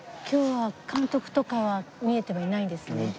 今日は監督とかは見えてはいないんですね。